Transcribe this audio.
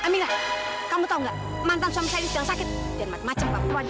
amira kamu tahu gak mantan suami saya ini sedang sakit dan macam macam